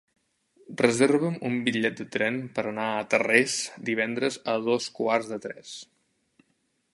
Reserva'm un bitllet de tren per anar a Tarrés divendres a dos quarts de tres.